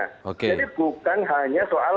jadi bukan hanya soal